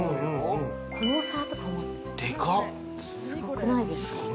この皿とかはすごくないですか？